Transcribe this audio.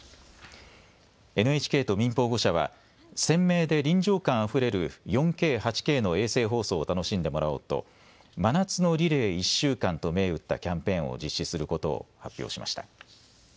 ＮＨＫと民放５社は鮮明で臨場感あふれる４Ｋ・８Ｋの衛星放送を楽しんでもらおうと真夏のリレー１週間と銘打ったキャンペーンを実施することを発表しました。